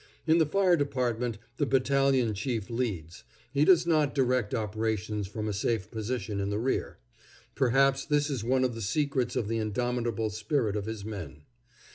In the Fire Department the battalion chief leads; he does not direct operations from a safe position in the rear. Perhaps this is one of the secrets of the indomitable spirit of his men.